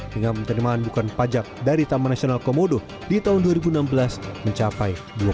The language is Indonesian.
dengan penerimaan bukan pajak dari taman nasional komodo di tahun dua ribu enam belas mencapai